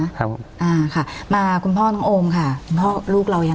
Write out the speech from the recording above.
ครับผมอ่าค่ะมาคุณพ่อน้องโอมค่ะคุณพ่อลูกเรายัง